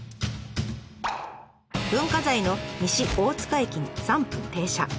文化財の西大塚駅に３分停車。